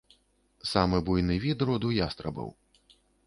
Самы буйны від роду ястрабаў.